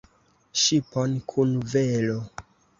ŝipon kun velo!